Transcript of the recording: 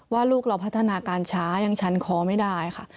ว่าลูกเราพัฒนาการช้ายังชันคอไม่ได้ค่ะ